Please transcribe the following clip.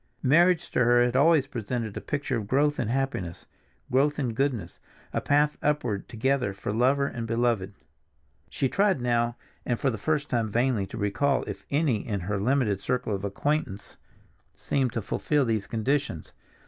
Marriage to her had always presented a picture of growth in happiness, growth in goodness, a path upward together for lover and beloved. She tried now and for the first time vainly to recall if any in her limited circle of acquaintance seemed to fulfill these conditions.